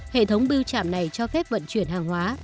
hệ thống biêu chạm này cho phép vận chuyển hàng hóa